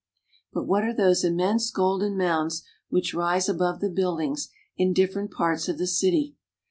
But what are those immense golden mounds which rise above the buildings in different parts of the city?